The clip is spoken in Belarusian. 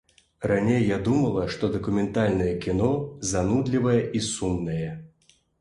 Раней я думала, што дакументальнае кіно занудлівае і сумнае.